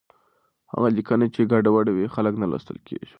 هغه لیکنه چې ګډوډه وي، خلک نه لوستل کېږي.